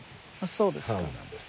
そうですか。